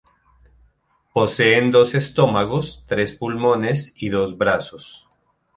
Poseen dos estómagos, tres pulmones y dos brazos.